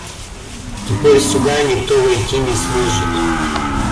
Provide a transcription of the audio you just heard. Теперь сюда никто войти не сможет.